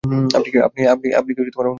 আপনি কি তাঁর অনুগামী হবেন?